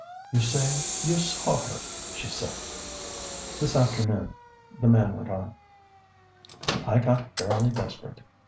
"You say you saw her," she said. "This afternoon," the man went on, "I got fairly desperate.